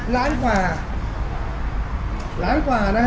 ล้านกว่าล้านกว่านะฮะ